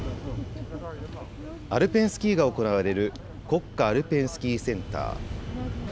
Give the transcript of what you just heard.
アルペンスキーが行われる国家アルペンスキーセンター。